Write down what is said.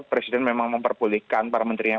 presiden memang memperbolehkan para menterinya